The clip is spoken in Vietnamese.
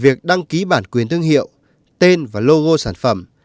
việc đăng ký bản quyền thương hiệu tên và logo sản phẩm